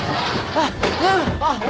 あっ！